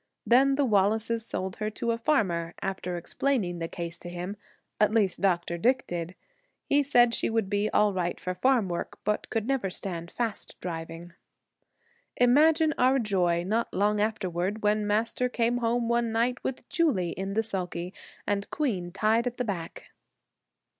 Then the Wallaces sold her to a farmer, after explaining the case to him at least Dr. Dick did. He said she would be all right for farm work, but could never stand fast driving. Imagine our joy, not long afterward, when Master came home one night with Julie in the sulky and Queen tied at the back.